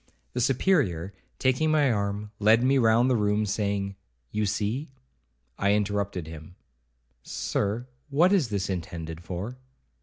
The Superior, taking my arm, led me round the room, saying, 'You see—' I interrupted him—'Sir, what is this intended for?'